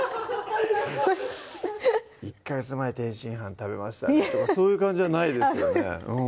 「１ヵ月前天津飯食べました」とかそういう感じじゃないですよね